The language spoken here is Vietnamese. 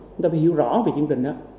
chúng ta phải hiểu rõ về chương trình đó